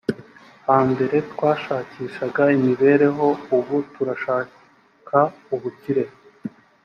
hambere twashakishaga imibereho ubu turashaka ubukire